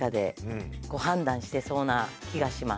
してそうな気がします。